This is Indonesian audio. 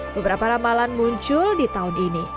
beberapa ramalan muncul di tahun ini